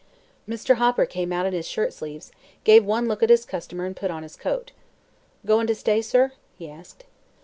Mr. Hopper came out in his shirtsleeves, gave one look at his customer and put on his coat. "Goin' to stay, sir?" he asked.